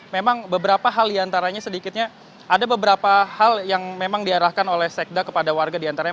memang beberapa hal di antaranya sedikitnya ada beberapa hal yang memang diarahkan oleh sekda kepada warga di antaranya